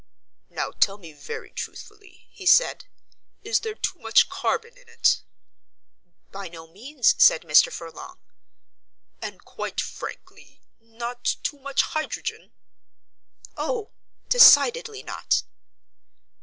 "Now tell me very truthfully," he said, "is there too much carbon in it?" "By no means," said Mr. Furlong. "And quite frankly not too much hydrogen?" "Oh, decidedly not."